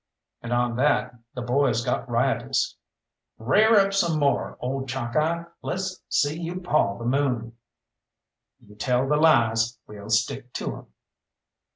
And on that the boys got riotous "Rair up some more, ole Chalkeye; let's see you paw the moon!" "You tell the lies, we'll stick to 'em!"